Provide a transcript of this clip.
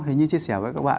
thì như chia sẻ với các bạn